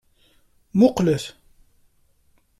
Muqlet-t!